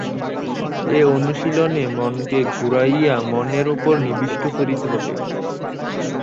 এ অনুশীলনে মনকে ঘুরাইয়া মনেরই উপর নিবিষ্ট করিতে হয়।